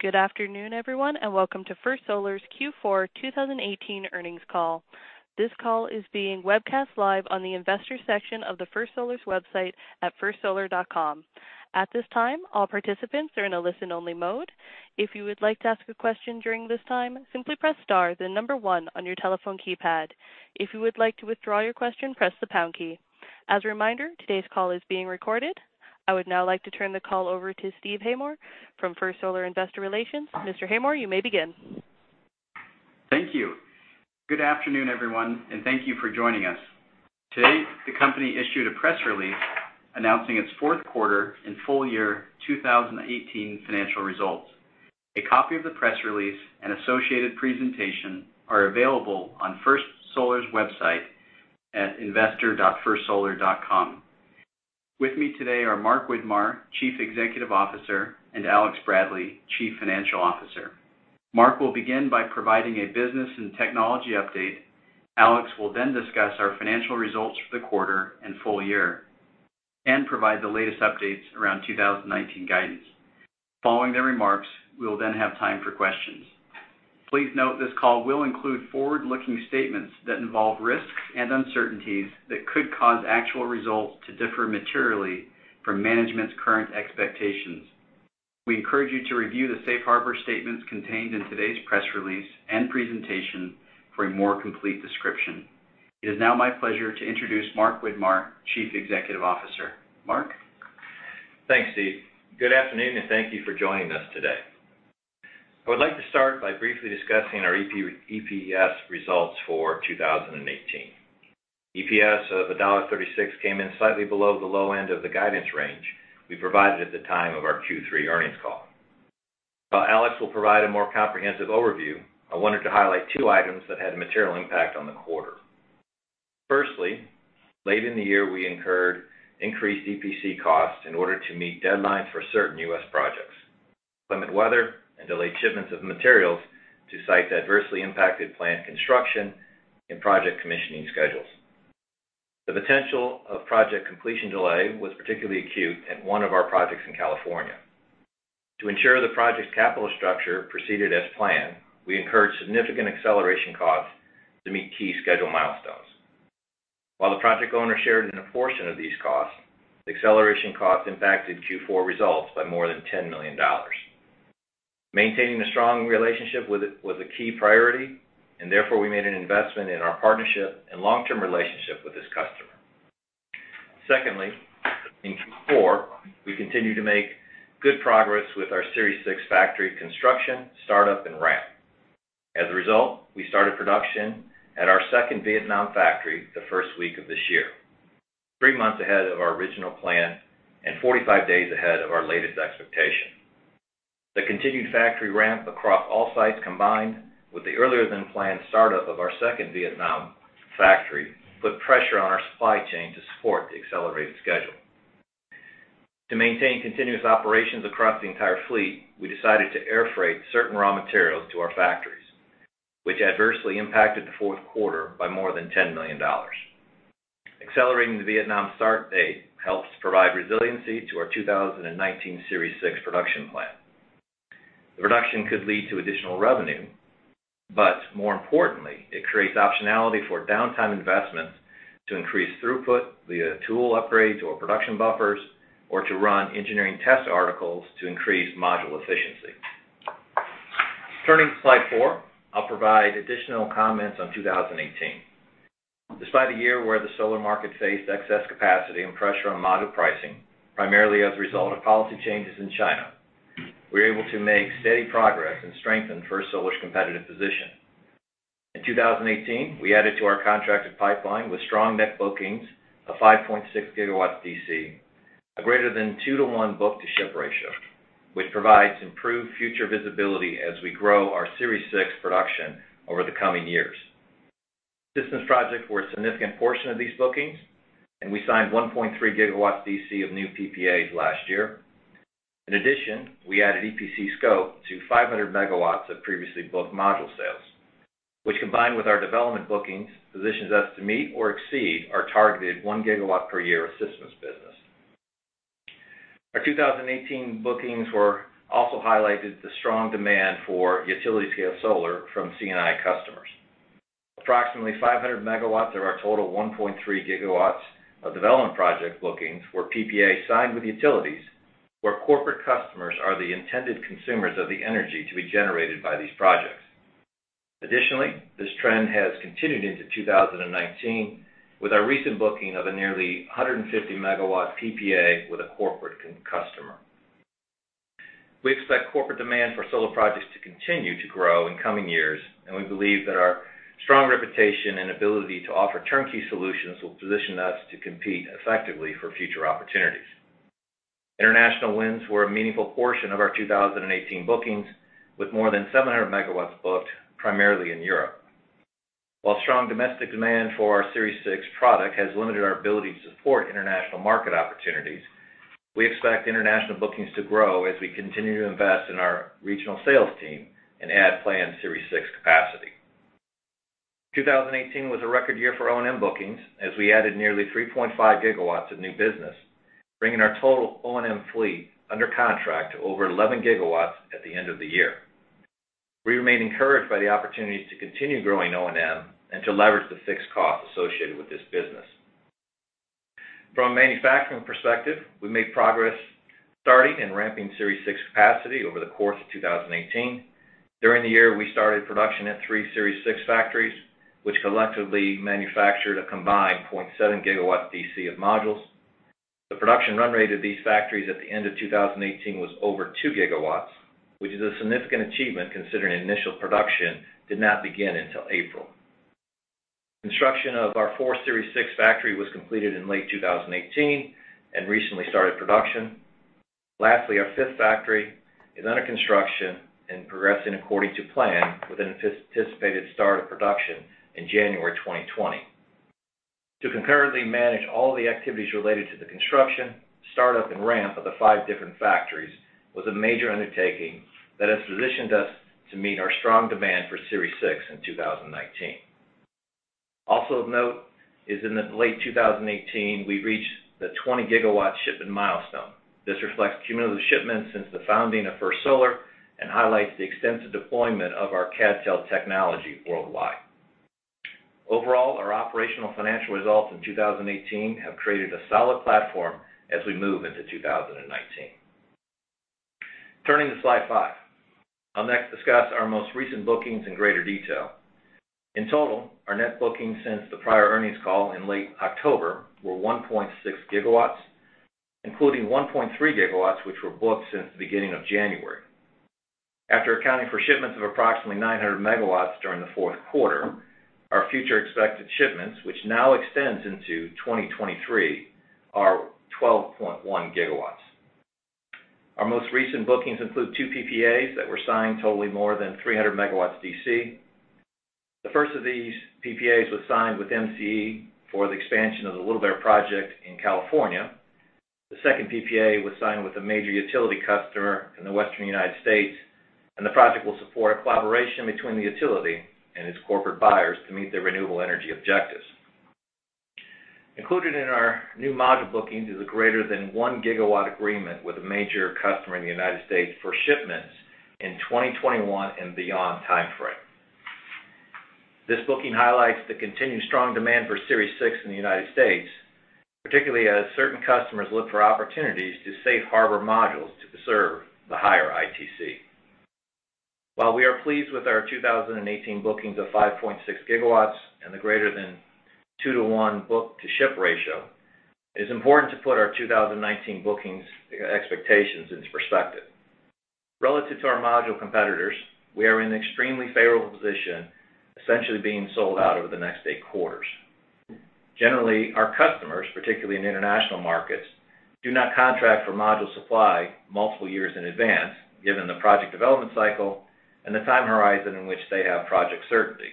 Good afternoon, everyone, and welcome to First Solar's Q4 2018 Earnings Call. This call is being webcast live on the investor section of firstsolar.com. At this time, all participants are in a listen-only mode. If you would like to ask a question during this time, simply press star then number one on your telephone keypad. If you would like to withdraw your question, press the pound key. As a reminder, today's call is being recorded. I would now like to turn the call over to Steve Haymore from First Solar Investor Relations. Mr. Haymore, you may begin. Thank you. Good afternoon, everyone, and thank you for joining us. Today, the company issued a press release announcing its fourth quarter and full year 2018 financial results. A copy of the press release and associated presentation are available on First Solar's website at investor.firstsolar.com. With me today are Mark Widmar, Chief Executive Officer, and Alex Bradley, Chief Financial Officer. Mark will begin by providing a business and technology update. Alex will then discuss our financial results for the quarter and full year, and provide the latest updates around 2019 guidance. Following their remarks, we will then have time for questions. Please note this call will include forward-looking statements that involve risks and uncertainties that could cause actual results to differ materially from management's current expectations. We encourage you to review the safe harbor statements contained in today's press release and presentation for a more complete description. It is now my pleasure to introduce Mark Widmar, Chief Executive Officer. Mark? Thanks, Steve. Good afternoon, and thank you for joining us today. I would like to start by briefly discussing our EPS results for 2018. EPS of $1.36 came in slightly below the low end of the guidance range we provided at the time of our Q3 earnings call. While Alex will provide a more comprehensive overview, I wanted to highlight two items that had a material impact on the quarter. Firstly, late in the year, we incurred increased EPC costs in order to meet deadlines for certain U.S. projects. Inclement weather and delayed shipments of materials to sites adversely impacted planned construction and project commissioning schedules. The potential of project completion delay was particularly acute at one of our projects in California. To ensure the project's capital structure proceeded as planned, we incurred significant acceleration costs to meet key schedule milestones. While the project owner shared in a portion of these costs, the acceleration costs impacted Q4 results by more than $10 million. Maintaining a strong relationship was a key priority. Therefore, we made an investment in our partnership and long-term relationship with this customer. Secondly, in Q4, we continued to make good progress with our Series 6 factory construction, startup, and ramp. As a result, we started production at our second Vietnam factory the first week of this year, three months ahead of our original plan and 45 days ahead of our latest expectation. The continued factory ramp across all sites combined with the earlier-than-planned startup of our second Vietnam factory, put pressure on our supply chain to support the accelerated schedule. To maintain continuous operations across the entire fleet, we decided to air freight certain raw materials to our factories, which adversely impacted the fourth quarter by more than $10 million. Accelerating the Vietnam start date helps provide resiliency to our 2019 Series 6 production plan. The reduction could lead to additional revenue. More importantly, it creates optionality for downtime investments to increase throughput via tool upgrades or production buffers, or to run engineering test articles to increase module efficiency. Turning to slide four, I will provide additional comments on 2018. Despite a year where the solar market faced excess capacity and pressure on module pricing, primarily as a result of policy changes in China, we were able to make steady progress and strengthen First Solar's competitive position. In 2018, we added to our contracted pipeline with strong net bookings of 5.6 GW DC, a greater than 2:1 book-to-ship ratio, which provides improved future visibility as we grow our Series 6 production over the coming years. Systems projects were a significant portion of these bookings. We signed 1.3 GW DC of new PPAs last year. In addition, we added EPC scope to 500 MW of previously booked module sales, which combined with our development bookings, positions us to meet or exceed our targeted 1 GW per year systems business. Our 2018 bookings were also highlighted the strong demand for utility-scale solar from C&I customers. Approximately 500 MW of our total 1.3 GW of development project bookings were PPAs signed with utilities, where corporate customers are the intended consumers of the energy to be generated by these projects. Additionally, this trend has continued into 2019 with our recent booking of a nearly 150 MW PPA with a corporate customer. We expect corporate demand for solar projects to continue to grow in coming years. We believe that our strong reputation and ability to offer turnkey solutions will position us to compete effectively for future opportunities. International wins were a meaningful portion of our 2018 bookings, with more than 700 MW booked primarily in Europe. While strong domestic demand for our Series 6 product has limited our ability to support international market opportunities, we expect international bookings to grow as we continue to invest in our regional sales team and add planned Series 6 capacity. 2018 was a record year for O&M bookings, as we added nearly 3.5 GW of new business, bringing our total O&M fleet under contract to over 11 GW at the end of the year. We remain encouraged by the opportunities to continue growing O&M and to leverage the fixed costs associated with this business. From a manufacturing perspective, we made progress starting and ramping Series 6 capacity over the course of 2018. During the year, we started production at three Series 6 factories, which collectively manufactured a combined 0.7 GW DC of modules. The production run rate of these factories at the end of 2018 was over 2 GW, which is a significant achievement considering initial production did not begin until April. Construction of our fourth Series 6 factory was completed in late 2018 and recently started production. Lastly, our fifth factory is under construction and progressing according to plan with an anticipated start of production in January 2020. To concurrently manage all the activities related to the construction, startup, and ramp of the five different factories was a major undertaking that has positioned us to meet our strong demand for Series 6 in 2019. Of note is in late 2018, we reached the 20-GW shipment milestone. This reflects cumulative shipments since the founding of First Solar and highlights the extensive deployment of our CadTel technology worldwide. Overall, our operational financial results in 2018 have created a solid platform as we move into 2019. Turning to slide five. I'll next discuss our most recent bookings in greater detail. In total, our net bookings since the prior earnings call in late October were 1.6 GW, including 1.3 GW, which were booked since the beginning of January. After accounting for shipments of approximately 900 MW during the fourth quarter, our future expected shipments, which now extends into 2023, are 12.1 GW. Our most recent bookings include two PPAs that were signed totaling more than 300 MW DC. The first of these PPAs was signed with MCE for the expansion of the Little Bear project in California. The second PPA was signed with a major utility customer in the western U.S., and the project will support a collaboration between the utility and its corporate buyers to meet their renewable energy objectives. Included in our new module bookings is a greater than one-gigawatt agreement with a major customer in the U.S. for shipments in 2021 and beyond timeframe. This booking highlights the continued strong demand for Series 6 in the U.S., particularly as certain customers look for opportunities to safe harbor modules to preserve the higher ITC. We are pleased with our 2018 bookings of 5.6 GW and the greater than two to one book-to-ship ratio, it is important to put our 2019 bookings expectations into perspective. Relative to our module competitors, we are in an extremely favorable position, essentially being sold out over the next eight quarters. Generally, our customers, particularly in international markets, do not contract for module supply multiple years in advance, given the project development cycle and the time horizon in which they have project certainty.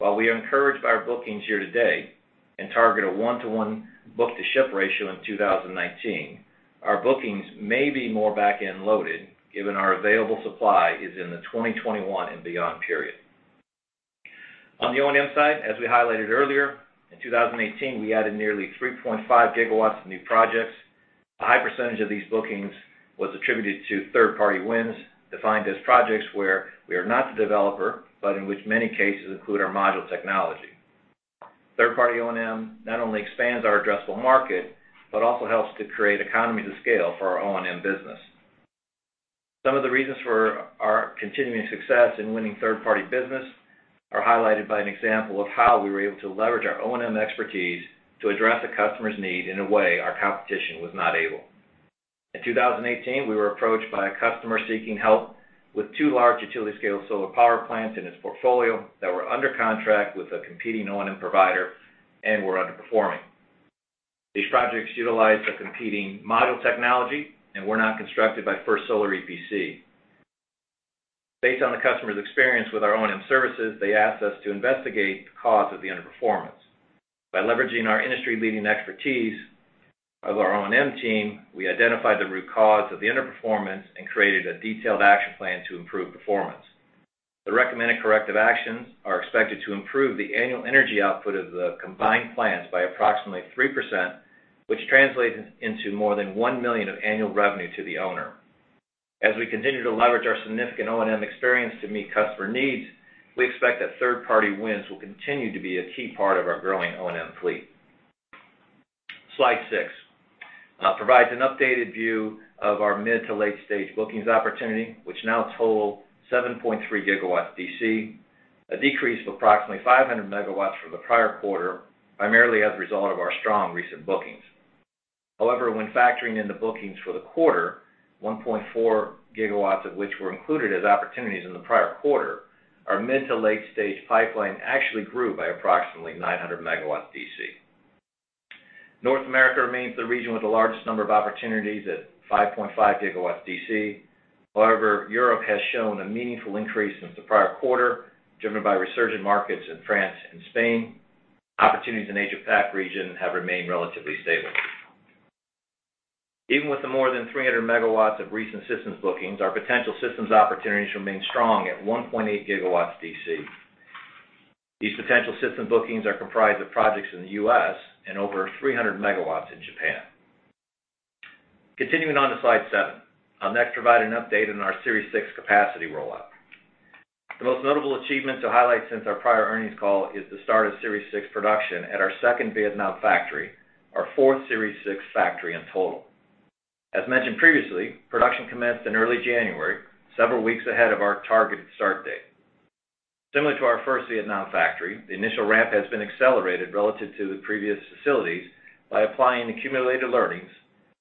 We are encouraged by our bookings year-to-date and target a one-to-one book-to-ship ratio in 2019, our bookings may be more back-end loaded, given our available supply is in the 2021 and beyond period. On the O&M side, as we highlighted earlier, in 2018, we added nearly 3.5 GW in new projects. A high percentage of these bookings was attributed to third-party wins, defined as projects where we are not the developer, but in which many cases include our module technology. Third-party O&M not only expands our addressable market, but also helps to create economies of scale for our O&M business. Some of the reasons for our continuing success in winning third-party business are highlighted by an example of how we were able to leverage our O&M expertise to address a customer's need in a way our competition was not able. In 2018, we were approached by a customer seeking help with two large utility-scale solar power plants in its portfolio that were under contract with a competing O&M provider and were underperforming. These projects utilized a competing module technology and were not constructed by First Solar EPC. Based on the customer's experience with our O&M services, they asked us to investigate the cause of the underperformance. By leveraging our industry-leading expertise of our O&M team, we identified the root cause of the underperformance and created a detailed action plan to improve performance. The recommended corrective actions are expected to improve the annual energy output of the combined plants by approximately 3%, which translates into more than $1 million of annual revenue to the owner. As we continue to leverage our significant O&M experience to meet customer needs, we expect that third-party wins will continue to be a key part of our growing O&M fleet. Slide seven provides an updated view of our mid to late-stage bookings opportunity, which now total 7.3 GW DC, a decrease of approximately 500 MW for the prior quarter, primarily as a result of our strong recent bookings. However, when factoring in the bookings for the quarter, 1.4 GW of which were included as opportunities in the prior quarter, our mid to late-stage pipeline actually grew by approximately 900 MW DC. North America remains the region with the largest number of opportunities at 5.5 GW DC. However, Europe has shown a meaningful increase since the prior quarter, driven by resurgent markets in France and Spain. Opportunities in Asia-Pac region have remained relatively stable. Even with the more than 300 MW of recent systems bookings, our potential systems opportunities remain strong at 1.8 GW DC. These potential system bookings are comprised of projects in the U.S. and over 300 MW in Japan. Continuing on to slide seven. I'll next provide an update on our Series 6 capacity rollout. The most notable achievement to highlight since our prior earnings call is the start of Series 6 production at our second Vietnam factory, our fourth Series 6 factory in total. As mentioned previously, production commenced in early January, several weeks ahead of our targeted start date. Similar to our first Vietnam factory, the initial ramp has been accelerated relative to the previous facilities by applying accumulated learnings,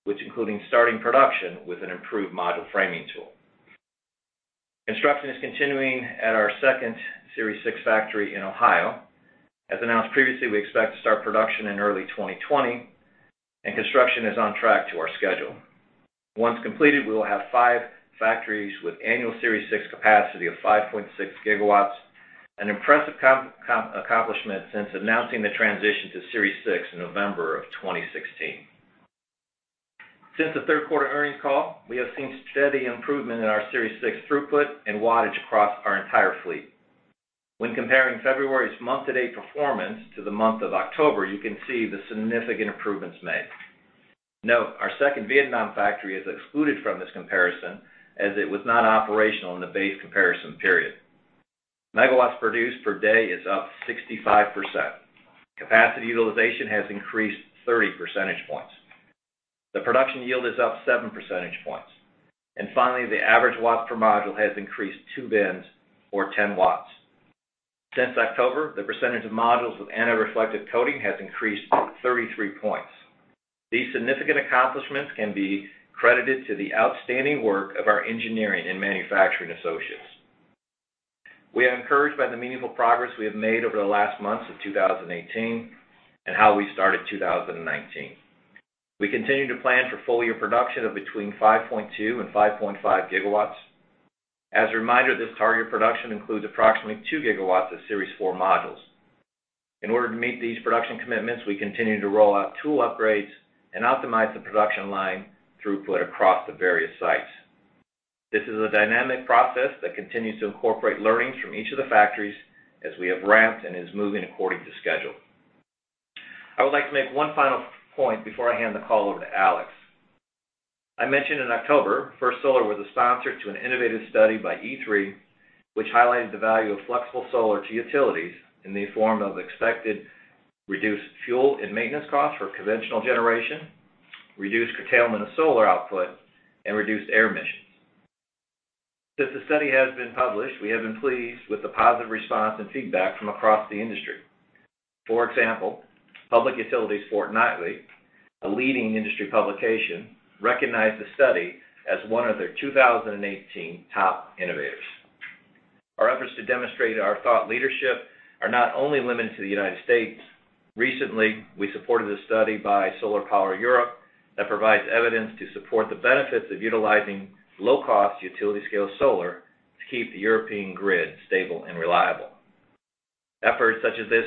which including starting production with an improved module framing tool. Construction is continuing at our second Series 6 factory in Ohio. As announced previously, we expect to start production in early 2020, and construction is on track to our schedule. Once completed, we will have five factories with annual Series 6 capacity of 5.6 GW, an impressive accomplishment since announcing the transition to Series 6 in November of 2016. Since the third quarter earnings call, we have seen steady improvement in our Series 6 throughput and wattage across our entire fleet. When comparing February's month-to-date performance to the month of October, you can see the significant improvements made. Note, our second Vietnam factory is excluded from this comparison, as it was not operational in the base comparison period. Megawatts produced per day is up 65%. Capacity utilization has increased 30 percentage points. The production yield is up seven percentage points. Finally, the average watts per module has increased two bins or 10 watts. Since October, the percentage of modules with anti-reflective coating has increased 33 points. These significant accomplishments can be credited to the outstanding work of our engineering and manufacturing associates. We are encouraged by the meaningful progress we have made over the last months of 2018 and how we started 2019. We continue to plan for full-year production of between 5.2 GW and 5.5 GW. As a reminder, this target production includes approximately two gigawatts of Series 4 modules. In order to meet these production commitments, we continue to roll out tool upgrades and optimize the production line throughput across the various sites. This is a dynamic process that continues to incorporate learnings from each of the factories as we have ramped and is moving according to schedule. I would like to make one final point before I hand the call over to Alex. I mentioned in October, First Solar was a sponsor to an innovative study by E3, which highlighted the value of flexible solar to utilities in the form of expected reduced fuel and maintenance costs for conventional generation, reduced curtailment of solar output, and reduced air emissions. Since the study has been published, we have been pleased with the positive response and feedback from across the industry. For example, Public Utilities Fortnightly, a leading industry publication, recognized the study as one of their 2018 top innovators. Our efforts to demonstrate our thought leadership are not only limited to the United States. Recently, we supported a study by SolarPower Europe that provides evidence to support the benefits of utilizing low-cost utility-scale solar to keep the European grid stable and reliable. Efforts such as this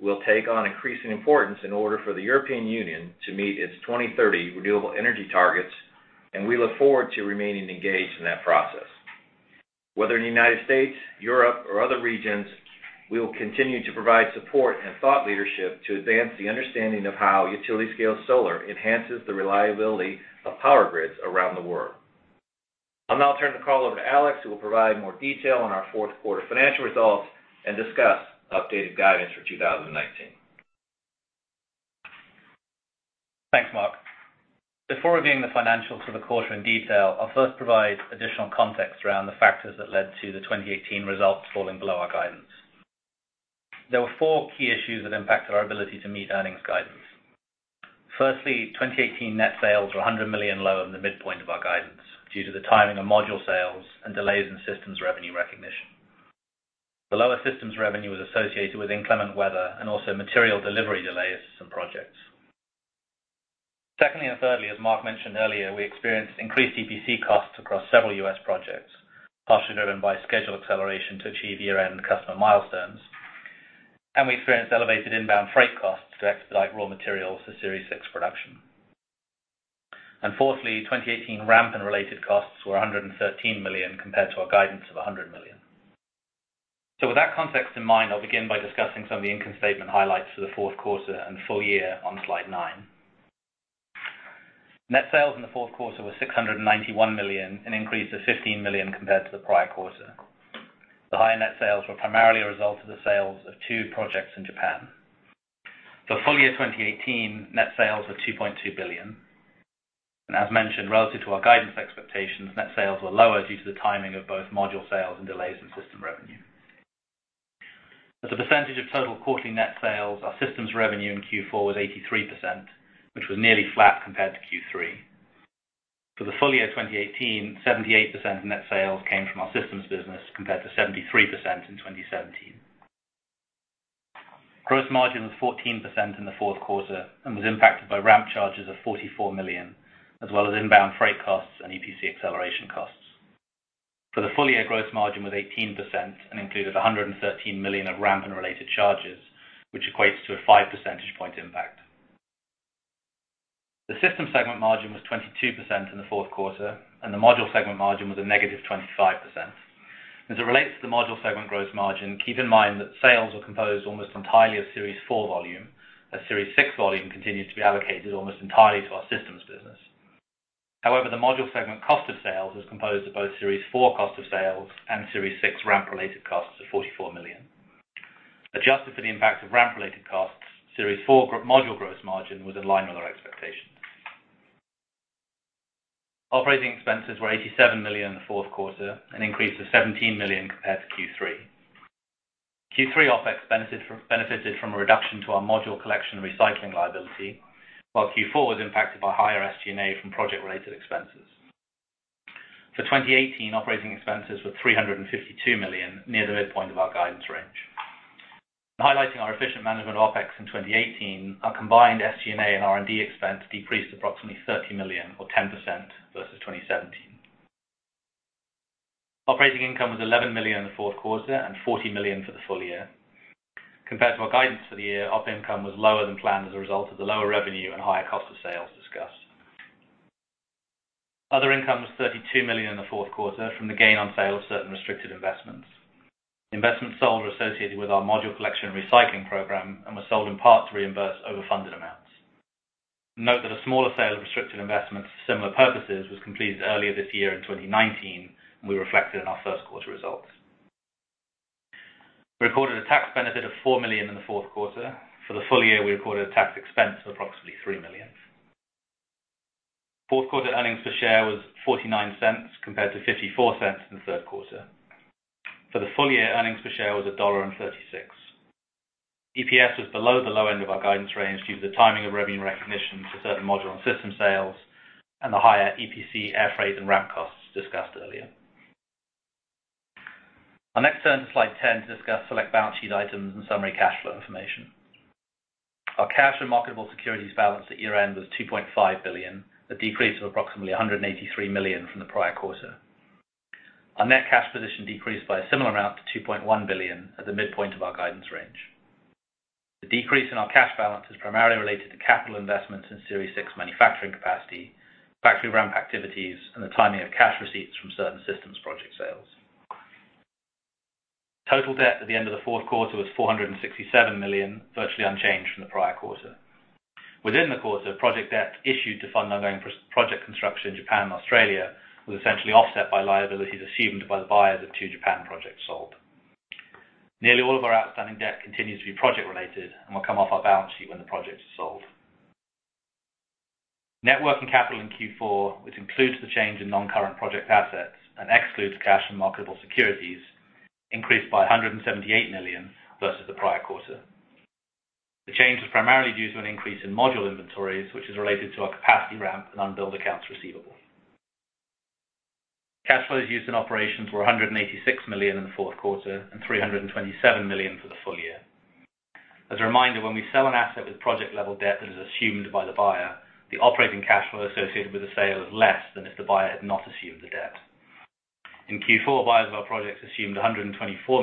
will take on increasing importance in order for the European Union to meet its 2030 renewable energy targets. We look forward to remaining engaged in that process. Whether in the United States, Europe, or other regions, we will continue to provide support and thought leadership to advance the understanding of how utility-scale solar enhances the reliability of power grids around the world. I'll now turn the call over to Alex, who will provide more detail on our fourth quarter financial results and discuss updated guidance for 2019. Thanks, Mark. Before reviewing the financials for the quarter in detail, I'll first provide additional context around the factors that led to the 2018 results falling below our guidance. There were four key issues that impacted our ability to meet earnings guidance. Firstly, 2018 net sales were $100 million lower than the midpoint of our guidance due to the timing of module sales and delays in systems revenue recognition. The lower systems revenue was associated with inclement weather and also material delivery delays to some projects. Secondly and thirdly, as Mark mentioned earlier, we experienced increased EPC costs across several U.S. projects, partially driven by schedule acceleration to achieve year-end customer milestones. We experienced elevated inbound freight costs to expedite raw materials to Series 6 production. Fourthly, 2018 ramp and related costs were $113 million compared to our guidance of $100 million. With that context in mind, I'll begin by discussing some of the income statement highlights for the fourth quarter and full year on slide nine. Net sales in the fourth quarter were $691 million, an increase of $15 million compared to the prior quarter. The higher net sales were primarily a result of the sales of two projects in Japan. For full year 2018, net sales were $2.2 billion. As mentioned, relative to our guidance expectations, net sales were lower due to the timing of both module sales and delays in system revenue. As a percentage of total quarterly net sales, our systems revenue in Q4 was 83%, which was nearly flat compared to Q3. For the full year 2018, 78% of net sales came from our systems business, compared to 73% in 2017. Gross margin was 14% in the fourth quarter and was impacted by ramp charges of $44 million, as well as inbound freight costs and EPC acceleration costs. For the full year, gross margin was 18% and included $113 million of ramp and related charges, which equates to a five percentage point impact. The system segment margin was 22% in the fourth quarter, and the module segment margin was a negative 25%. As it relates to the module segment gross margin, keep in mind that sales were composed almost entirely of Series 4 volume, as Series 6 volume continues to be allocated almost entirely to our systems business. However, the module segment cost of sales was composed of both Series 4 cost of sales and Series 6 ramp-related costs of $44 million. Adjusted for the impact of ramp-related costs, Series 4 module gross margin was in line with our expectations. Operating expenses were $87 million in the fourth quarter, an increase of $17 million compared to Q3. Q3 OpEx benefited from a reduction to our module collection and recycling liability, while Q4 was impacted by higher SG&A from project-related expenses. For 2018, operating expenses were $352 million, near the midpoint of our guidance range. Highlighting our efficient management of OpEx in 2018, our combined SG&A and R&D expense decreased approximately $30 million or 10% versus 2017. Operating income was $11 million in the fourth quarter and $40 million for the full year. Compared to our guidance for the year, Op income was lower than planned as a result of the lower revenue and higher cost of sales discussed. Other income was $32 million in the fourth quarter from the gain on sale of certain restricted investments. Investments sold were associated with our module collection and recycling program and were sold in part to reimburse overfunded amounts. Note that a smaller sale of restricted investments for similar purposes was completed earlier this year in 2019 and we reflected in our first quarter results. We recorded a tax benefit of $4 million in the fourth quarter. For the full year, we recorded a tax expense of approximately $3 million. Fourth quarter earnings per share was $0.49 compared to $0.54 in the third quarter. For the full year, earnings per share was $1.36. EPS was below the low end of our guidance range due to the timing of revenue recognition for certain module and system sales and the higher EPC, air freight, and ramp costs discussed earlier. I'll next turn to slide 10 to discuss select balance sheet items and summary cash flow information. Our cash and marketable securities balance at year-end was $2.5 billion, a decrease of approximately $183 million from the prior quarter. Our net cash position decreased by a similar amount to $2.1 billion at the midpoint of our guidance range. The decrease in our cash balance is primarily related to capital investments in Series 6 manufacturing capacity, factory ramp activities, and the timing of cash receipts from certain systems project sales. Total debt at the end of the fourth quarter was $467 million, virtually unchanged from the prior quarter. Within the quarter, project debt issued to fund ongoing project construction in Japan and Australia was essentially offset by liabilities assumed by the buyers of two Japan projects sold. Nearly all of our outstanding debt continues to be project-related and will come off our balance sheet when the projects are sold. Net working capital in Q4, which includes the change in non-current project assets and excludes cash and marketable securities, increased by $178 million versus the prior quarter. The change was primarily due to an increase in module inventories, which is related to our capacity ramp and unbilled accounts receivable. Cash flows used in operations were $186 million in the fourth quarter and $327 million for the full year. As a reminder, when we sell an asset with project-level debt that is assumed by the buyer, the operating cash flow associated with the sale is less than if the buyer had not assumed the debt. In Q4, buyers of our projects assumed $124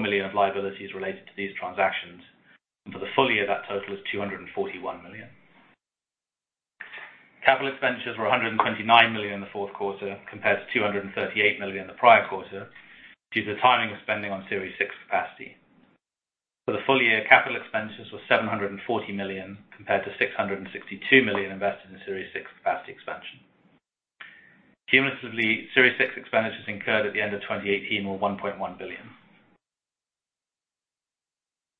million of liabilities related to these transactions. For the full year, that total is $241 million. Capital expenditures were $129 million in the fourth quarter compared to $238 million in the prior quarter due to the timing of spending on Series 6 capacity. For the full year, capital expenses were $740 million, compared to $662 million invested in Series 6 capacity expansion. Cumulatively, Series 6 expenditures incurred at the end of 2018 were $1.1 billion.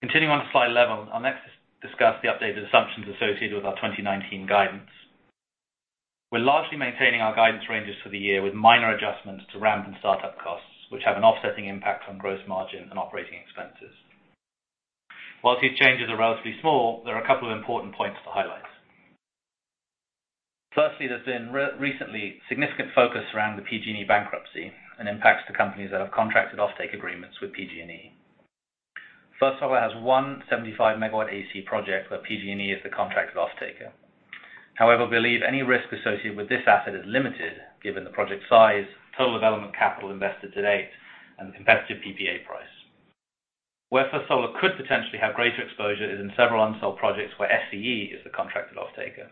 Continuing on to slide 11, I'll next discuss the updated assumptions associated with our 2019 guidance. We're largely maintaining our guidance ranges for the year with minor adjustments to ramp and startup costs, which have an offsetting impact on gross margin and operating expenses. While these changes are relatively small, there are a couple of important points to highlight. Firstly, there's been recently significant focus around the PG&E bankruptcy and impacts to companies that have contracted offtake agreements with PG&E. First Solar has one 75 MW AC project where PG&E is the contracted offtaker. However, we believe any risk associated with this asset is limited given the project size, total development capital invested to date, and the competitive PPA price. Where First Solar could potentially have greater exposure is in several unsold projects where SCE is the contracted offtaker.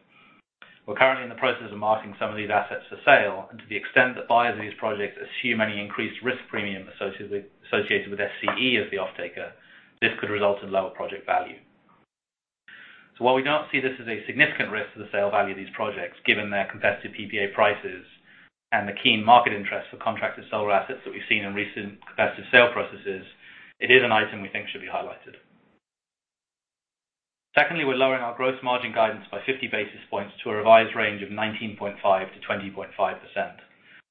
We're currently in the process of marketing some of these assets for sale, and to the extent that buyers of these projects assume any increased risk premium associated with SCE as the offtaker, this could result in lower project value. While we don't see this as a significant risk to the sale value of these projects, given their competitive PPA prices and the keen market interest for contracted solar assets that we've seen in recent competitive sale processes, it is an item we think should be highlighted. Secondly, we're lowering our gross margin guidance by 50 basis points to a revised range of 19.5%-20.5%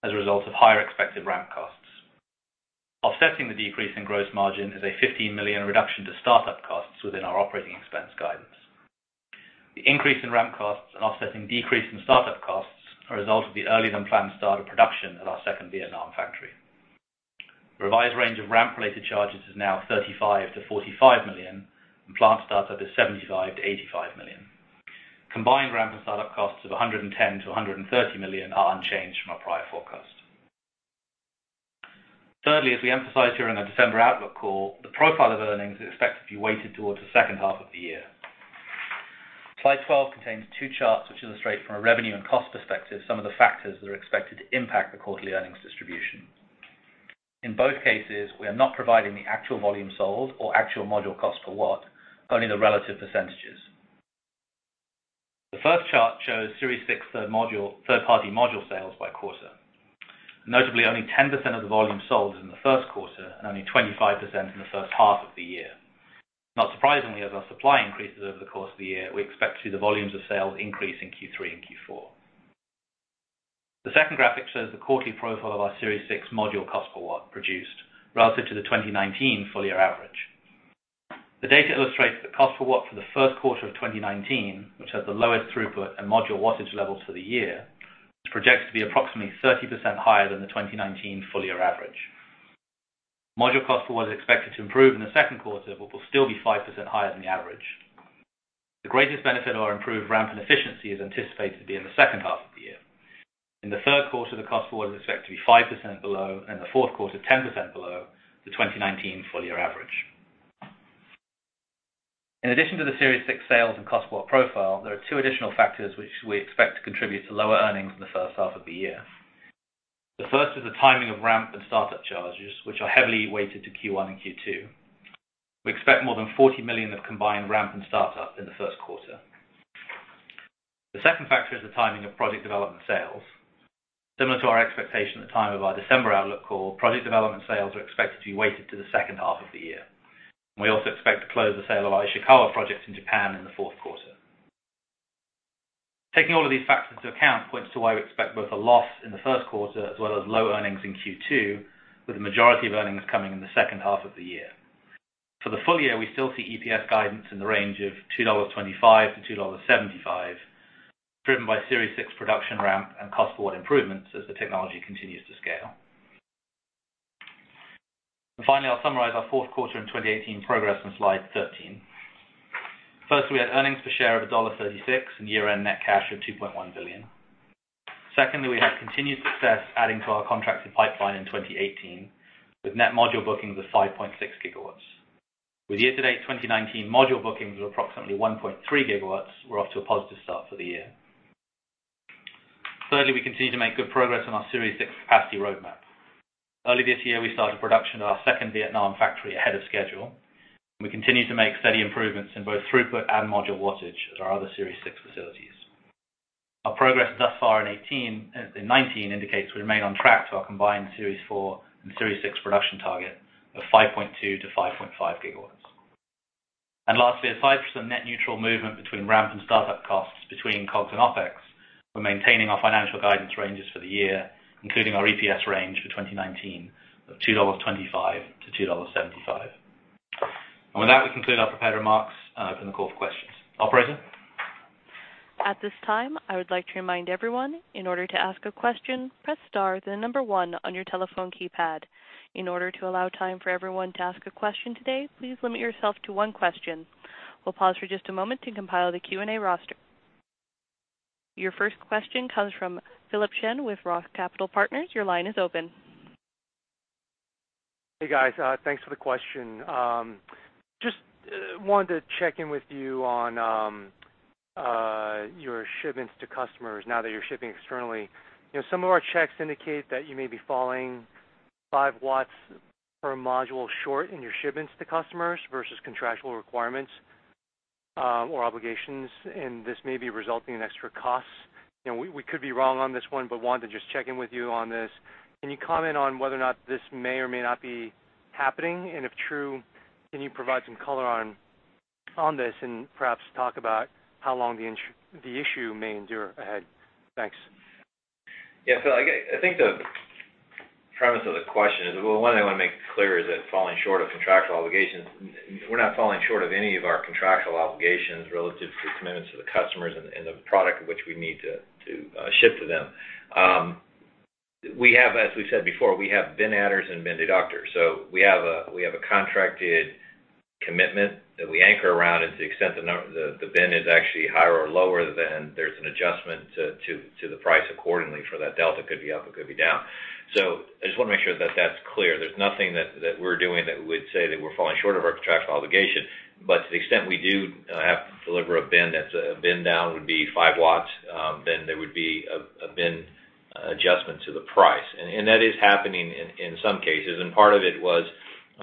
as a result of higher expected ramp costs. Offsetting the decrease in gross margin is a $15 million reduction to startup costs within our operating expense guidance. The increase in ramp costs and offsetting decrease in startup costs are a result of the earlier-than-planned start of production at our second Vietnam factory. The revised range of ramp-related charges is now $35 million-$45 million, and planned startup is $75 million-$85 million. Combined ramp and startup costs of $110 million-$130 million are unchanged from our prior forecast. Thirdly, as we emphasized during our December outlook call, the profile of earnings is expected to be weighted towards the second half of the year. Slide 12 contains two charts, which illustrate from a revenue and cost perspective, some of the factors that are expected to impact the quarterly earnings distribution. In both cases, we are not providing the actual volume sold or actual module cost per watt, only the relative percentages. The first chart shows Series 6 third-party module sales by quarter. Notably, only 10% of the volume sold is in the first quarter and only 25% in the first half of the year. Not surprisingly, as our supply increases over the course of the year, we expect to see the volumes of sales increase in Q3 and Q4. The second graphic shows the quarterly profile of our Series 6 module cost per watt produced relative to the 2019 full-year average. The data illustrates the cost per watt for the first quarter of 2019, which has the lowest throughput and module wattage levels for the year, is projected to be approximately 30% higher than the 2019 full-year average. Module cost per watt is expected to improve in the second quarter, but will still be 5% higher than the average. The greatest benefit of our improved ramp and efficiency is anticipated to be in the second half of the year. In the third quarter, the cost per watt is expected to be 5% below, and in the fourth quarter, 10% below the 2019 full-year average. In addition to the Series 6 sales and cost per watt profile, there are two additional factors which we expect to contribute to lower earnings in the first half of the year. The first is the timing of ramp and startup charges, which are heavily weighted to Q1 and Q2. We expect more than $40 million of combined ramp and startup in the first quarter. The second factor is the timing of project development sales. Similar to our expectation at the time of our December outlook call, project development sales are expected to be weighted to the second half of the year. We also expect to close the sale of our Ishikawa project in Japan in the fourth quarter. Taking all of these factors into account points to why we expect both a loss in the first quarter as well as low earnings in Q2, with the majority of earnings coming in the second half of the year. Finally, I'll summarize our fourth quarter in 2018 progress on slide 13. First, we had earnings per share of $1.36 and year-end net cash of $2.1 billion. Secondly, we had continued success adding to our contracted pipeline in 2018, with net module bookings of 5.6 GW. With year-to-date 2019 module bookings of approximately 1.3 GW, we're off to a positive start for the year. Thirdly, we continue to make good progress on our Series 6 capacity roadmap. Early this year, we started production at our second Vietnam factory ahead of schedule. We continue to make steady improvements in both throughput and module wattage at our other Series 6 facilities. Our progress thus far in 2019 indicates we remain on track to our combined Series 4 and Series 6 production target of 5.2 GW-5.5 GW. Lastly, aside from some net neutral movement between ramp and startup costs between COGS and OpEx, we're maintaining our financial guidance ranges for the year, including our EPS range for 2019 of $2.25-$2.75. With that, we conclude our prepared remarks and open the call for questions. Operator? At this time, I would like to remind everyone, in order to ask a question, press star then the number one on your telephone keypad. In order to allow time for everyone to ask a question today, please limit yourself to one question. We'll pause for just a moment to compile the Q&A roster. Your first question comes from Philip Shen with ROTH Capital Partners. Your line is open. Hey, guys. Thanks for the question. Just wanted to check in with you on your shipments to customers now that you're shipping externally. Some of our checks indicate that you may be falling five watts per module short in your shipments to customers versus contractual requirements or obligations, and this may be resulting in extra costs. We could be wrong on this one, wanted to just check in with you on this. Can you comment on whether or not this may or may not be happening? If true, can you provide some color on this and perhaps talk about how long the issue may endure ahead? Thanks. Yeah. I think the premise of the question is, well, one thing I want to make clear is that falling short of contractual obligations, we're not falling short of any of our contractual obligations relative to commitments to the customers and the product of which we need to ship to them. As we said before, we have bin adders and bin deducters. We have a contracted commitment that we anchor around as to the extent the bin is actually higher or lower than there's an adjustment to the price accordingly for that delta. Could be up, it could be down. I just want to make sure that's clear. There's nothing that we're doing that we would say that we're falling short of our contractual obligation. To the extent we do have to deliver a bin that's a bin down would be 5 W, then there would be a bin adjustment to the price. That is happening in some cases. Part of it was,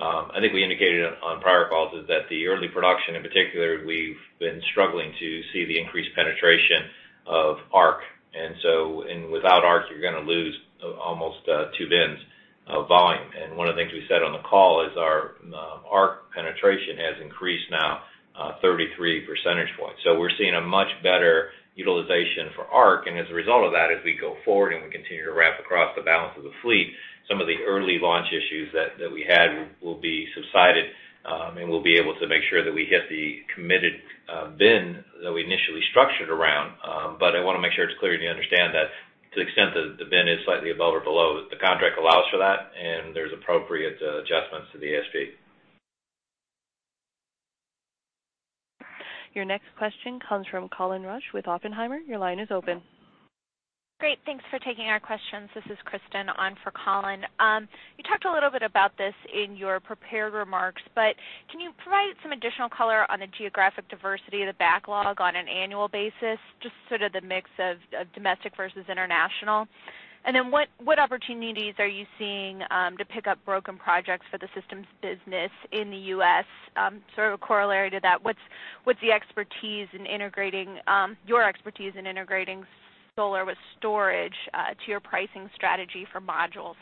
I think we indicated on prior calls, is that the early production in particular, we've been struggling to see the increased penetration of ARC. Without ARC, you're going to lose almost two bins of volume. One of the things we said on the call is our ARC penetration has increased now 33 percentage points. We're seeing a much better utilization for ARC, and as a result of that, as we go forward and we continue to ramp across the balance of plant, some of the early launch issues that we had will be subsided. We'll be able to make sure that we hit the committed bin that we initially structured around. I want to make sure it's clear you understand that to the extent that the bin is slightly above or below, the contract allows for that, and there's appropriate adjustments to the ASP. Your next question comes from Colin Rusch with Oppenheimer. Your line is open. Great. Thanks for taking our questions. This is Kristen on for Colin. You talked a little bit about this in your prepared remarks, but can you provide some additional color on the geographic diversity of the backlog on an annual basis, just sort of the mix of domestic versus international? What opportunities are you seeing to pick up broken projects for the systems business in the U.S.? Sort of a corollary to that, what's your expertise in integrating solar with storage to your pricing strategy for modules?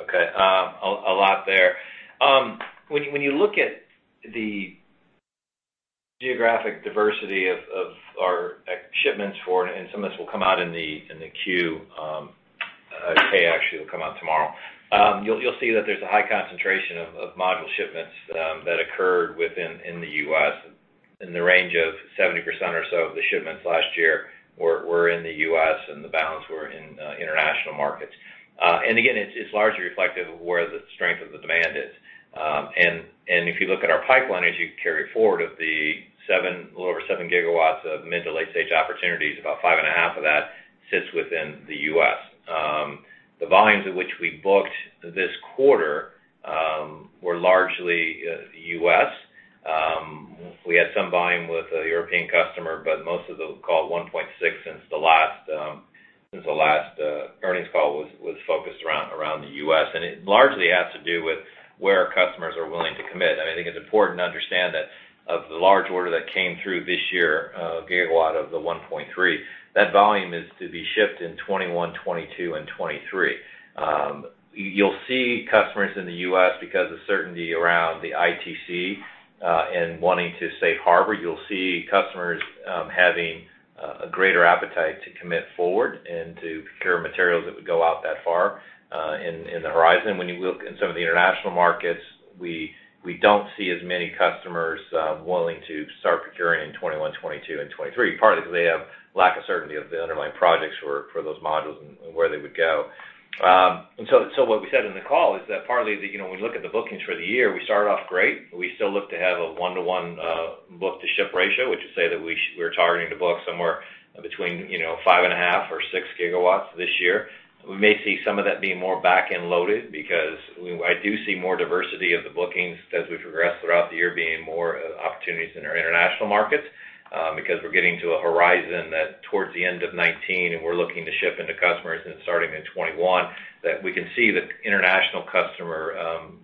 Okay. A lot there. When you look at the geographic diversity of our shipments, some of this will come out in the queue. Okay, actually, it'll come out tomorrow. You'll see that there's a high concentration of module shipments that occurred within the U.S. In the range of 70% or so of the shipments last year were in the U.S., the balance were in international markets. Again, it's largely reflective of where the strength of the demand is. If you look at our pipeline, as you carry forward, of the little over 7 GW of mid- to late-stage opportunities, about 5.5 GW of that sits within the U.S. The volumes at which we booked this quarter were largely U.S. Most of the, call it 1.6 GW since the last earnings call, was focused around the U.S. It largely has to do with where our customers are willing to commit. I think it's important to understand that of the large order that came through this year, 1 GW of the 1.3 GW, that volume is to be shipped in 2021, 2022, and 2023. You'll see customers in the U.S., because of certainty around the ITC and wanting to safe harbor, you'll see customers having a greater appetite to commit forward and to procure materials that would go out that far in the horizon. When you look in some of the international markets, we don't see as many customers willing to start procuring in 2021, 2022, and 2023, partly because they have lack of certainty of the underlying projects for those modules and where they would go. What we said in the call is that partly, when we look at the bookings for the year, we started off great. We still look to have a one-to-one book-to-ship ratio, which would say that we're targeting to book somewhere between 5.5 GW or 6 GW this year. We may see some of that being more back-end loaded because I do see more diversity of the bookings as we progress throughout the year being more opportunities in our international markets, because we're getting to a horizon that towards the end of 2019, and we're looking to ship into customers and starting in 2021, that we can see the international customer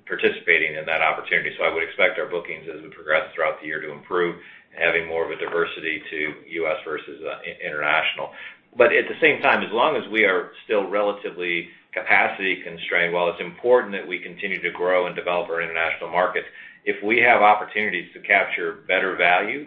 participating in that opportunity. I would expect our bookings, as we progress throughout the year, to improve, having more of a diversity to U.S. versus international. At the same time, as long as we are still relatively capacity constrained, while it's important that we continue to grow and develop our international markets, if we have opportunities to capture better value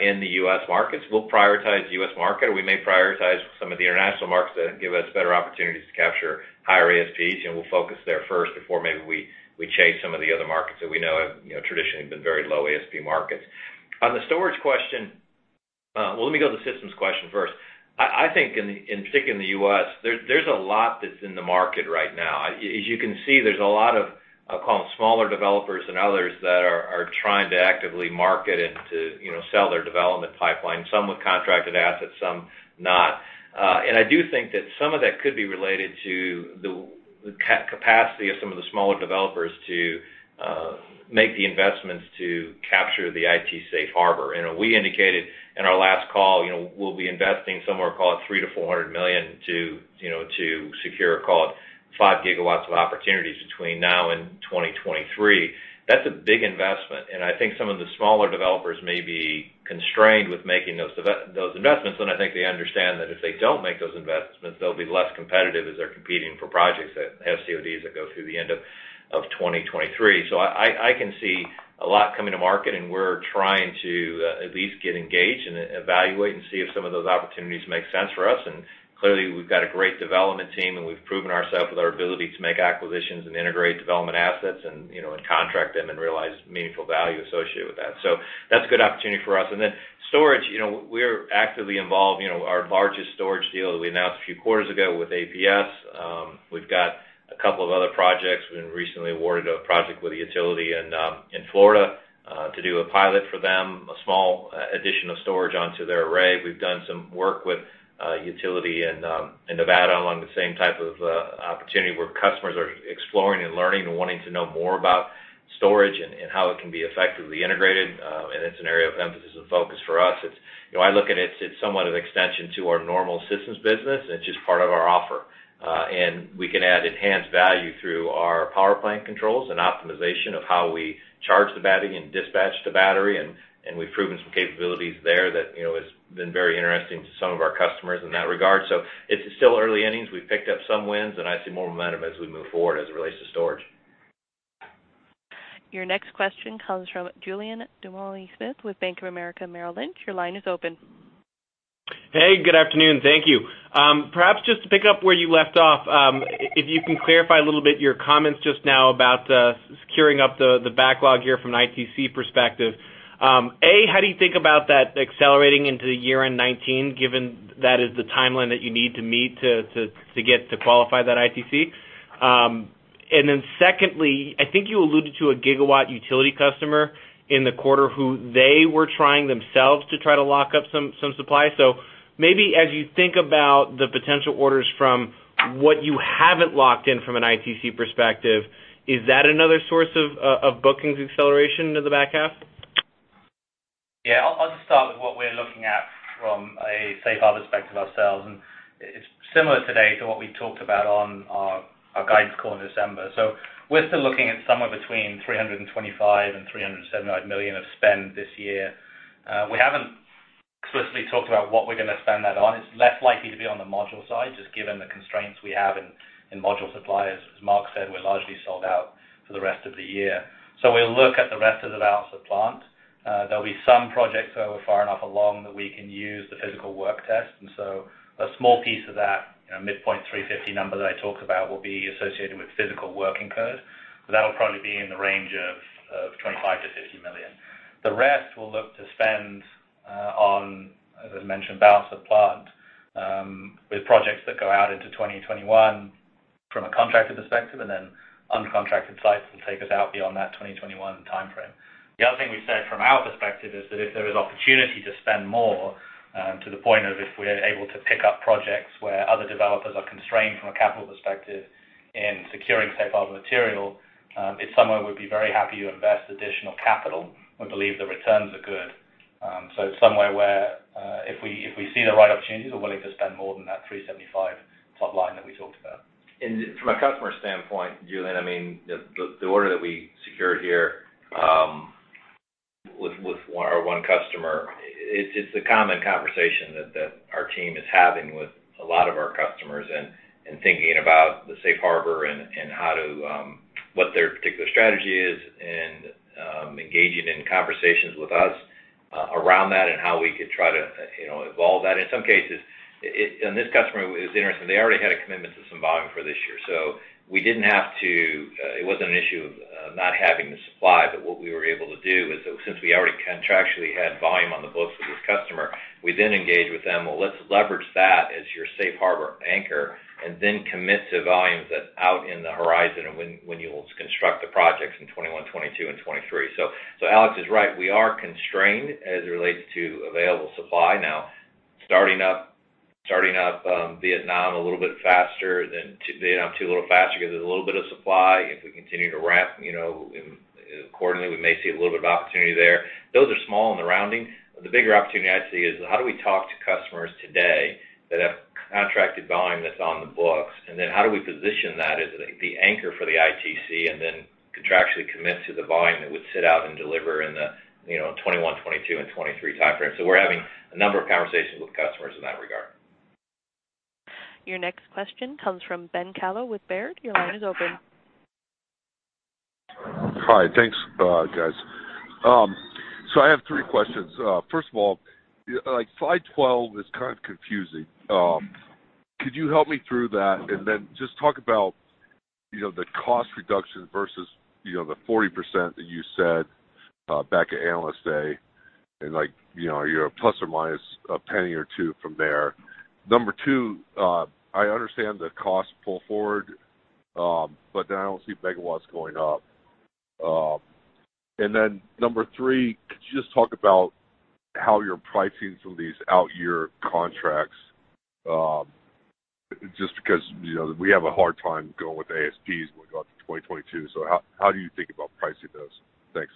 in the U.S. markets, we'll prioritize the U.S. market. We may prioritize some of the international markets that give us better opportunities to capture higher ASPs. We'll focus there first before maybe we chase some of the other markets that we know have traditionally been very low ASP markets. Let me go to the systems question first. I think, in particular in the U.S., there's a lot that's in the market right now. As you can see, there's a lot of, I'll call them smaller developers and others that are trying to actively market and to sell their development pipeline, some with contracted assets, some not. I do think that some of that could be related to the capacity of some of the smaller developers to make the investments to capture the ITC safe harbor. We indicated in our last call, we'll be investing somewhere, call it $300 million-$400 million to secure, call it five gigawatts of opportunities between now and 2023. That's a big investment, and I think some of the smaller developers may be constrained with making those investments, and I think they understand that if they don't make those investments, they'll be less competitive as they're competing for projects that have CODs that go through the end of 2023. I can see a lot coming to market, and we're trying to at least get engaged and evaluate and see if some of those opportunities make sense for us. Clearly, we've got a great development team, and we've proven ourselves with our ability to make acquisitions and integrate development assets and contract them and realize meaningful value associated with that. That's a good opportunity for us. Storage, we're actively involved. Our largest storage deal that we announced a few quarters ago with APS. We've got a couple of other projects. We've been recently awarded a project with a utility in Florida to do a pilot for them, a small additional storage onto their array. We've done some work with a utility in Nevada along the same type of opportunity where customers are exploring and learning and wanting to know more about storage and how it can be effectively integrated, and it's an area of emphasis and focus for us. I look at it's somewhat of an extension to our normal systems business, and it's just part of our offer. We can add enhanced value through our power plant controls and optimization of how we charge the battery and dispatch the battery, and we've proven some capabilities there that has been very interesting to some of our customers in that regard. It's still early innings. We've picked up some wins, and I see more momentum as we move forward as it relates to storage. Your next question comes from Julien Dumoulin-Smith with Bank of America Merrill Lynch. Your line is open. Hey, good afternoon. Thank you. Perhaps just to pick up where you left off, if you can clarify a little bit your comments just now about securing up the backlog here from an ITC perspective. A, how do you think about that accelerating into year-end 2019, given that is the timeline that you need to meet to qualify that ITC? Secondly, I think you alluded to a gigawatt utility customer in the quarter who they were trying themselves to try to lock up some supply. Maybe as you think about the potential orders from what you haven't locked in from an ITC perspective, is that another source of bookings acceleration into the back half? Yeah. I'll just start with what we're looking at from a safe harbor perspective ourselves, and it's similar today to what we talked about on our guidance call in December. We're still looking at somewhere between $325 million and $375 million of spend this year. We haven't explicitly talked about what we're going to spend that on. It's less likely to be on the module side, just given the constraints we have in module supply. As Mark said, we're largely sold out for the rest of the year. We'll look at the rest of the balance of plant. There'll be some projects that are far enough along that we can use the physical work test. A small piece of that midpoint 350 number that I talked about will be associated with physical work incurred. That'll probably be in the range of $25 million-$50 million. The rest we'll look to spend on, as I mentioned, balance of plant with projects that go out into 2021 from a contracted perspective, and then uncontracted sites will take us out beyond that 2021 timeframe. The other thing we said from our perspective is that if there is opportunity to spend more to the point of if we're able to pick up projects where other developers are constrained from a capital perspective in securing safe harbor material, it's somewhere we'd be very happy to invest additional capital. We believe the returns are good. It's somewhere where if we see the right opportunities, we're willing to spend more than that $375 million top line that we talked about. From a customer standpoint, Julien, the order that we secured here with our one customer, it's a common conversation that our team is having with a lot of our customers and thinking about the safe harbor and what their particular strategy is, and engaging in conversations with us around that and how we could try to evolve that. This customer is interesting. They already had a commitment to some volume for this year, it wasn't an issue of not having the supply, but what we were able to do was, since we already contractually had volume on the books with this customer, we then engaged with them. Well, let's leverage that as your safe harbor anchor and then commit to volumes that out in the horizon and when you will construct the projects in 2021, 2022 and 2023." Alex is right, we are constrained as it relates to available supply. Starting up Vietnam a little bit faster, Vietnam 2 a little faster, gives us a little bit of supply. If we continue to ramp accordingly, we may see a little bit of opportunity there. Those are small in the rounding. The bigger opportunity I'd see is how do we talk to customers today that have contracted volume that's on the books, and then how do we position that as the anchor for the ITC and then contractually commit to the volume that would sit out and deliver in the 2021, 2022 and 2023 timeframe? We're having a number of conversations with customers in that regard. Your next question comes from Ben Kallo with Baird. Your line is open. Hi. Thanks, guys. I have three questions. First of all, Slide 12 is kind of confusing. Could you help me through that and just talk about the cost reduction versus the 40% that you said back at Analyst Day and your plus or minus $0.01 or $0.02 from there. Number two, I understand the cost pull forward, but I don't see megawatts going up. Number three, could you just talk about how you're pricing some of these out-year contracts? Just because we have a hard time going with ASPs when we go out to 2022. How do you think about pricing those? Thanks.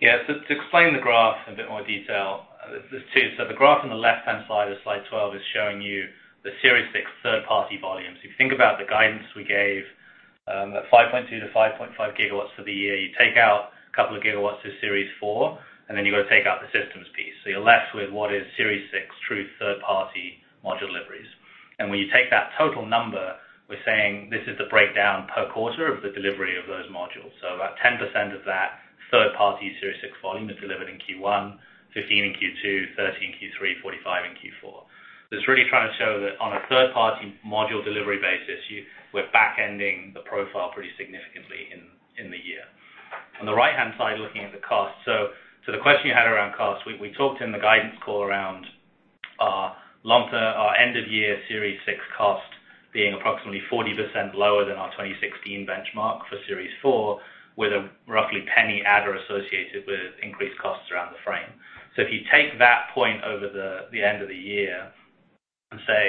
Yeah. To explain the graph in a bit more detail. There's two. The graph on the left-hand side of Slide 12 is showing you the Series 6 third-party volumes. If you think about the guidance we gave, that 5.2 GW-5.5 GW for the year. You take out a couple of gigawatts of Series 4, then you've got to take out the systems piece. You're left with what is Series 6 true third-party module deliveries. When you take that total number, we're saying this is the breakdown per quarter of the delivery of those modules. About 10% of that third-party Series 6 volume is delivered in Q1, 15% in Q2, 30% in Q3, 45% in Q4. It's really trying to show that on a third-party module delivery basis, we're back ending the profile pretty significantly in the year. On the right-hand side, looking at the cost. The question you had around cost, we talked in the guidance call around our end-of-year Series 6 cost being approximately 40% lower than our 2016 benchmark for Series 4, with a roughly a penny adder associated with increased costs around the frame. If you take that point over the end of the year and say